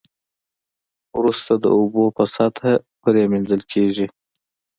وروسته د اوبو په واسطه پری مینځل کیږي.